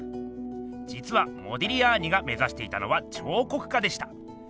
じつはモディリアーニが目ざしていたのは彫刻家でした。